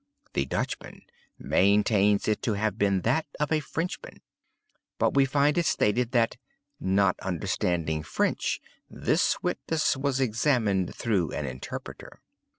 _' The Dutchman maintains it to have been that of a Frenchman; but we find it stated that '_not understanding French this witness was examined through an interpreter.